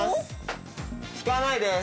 ひかないです。